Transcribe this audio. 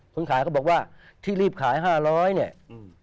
คนขายก็บอกว่าที่รีบขาย๕๐๐เนี่ย